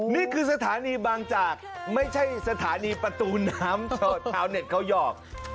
นี่คือสถานีบางจากไม่ใช่สถานีประตูน้ำชาวเน็ตเขาหยอก